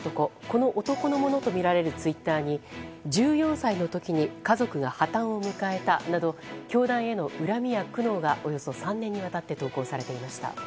この男のものとみられるツイッターに１４歳の時に家族が破綻を迎えたなど教団への恨みや苦悩がおよそ３年にわたって投稿されていました。